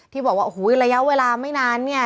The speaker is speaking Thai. ที่บอกว่าโอ้โหระยะเวลาไม่นานเนี่ย